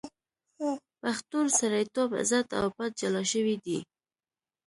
پښتون سړیتوب، عزت او پت جلا شوی دی.